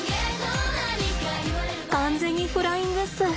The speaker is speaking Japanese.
完全にフライングっす。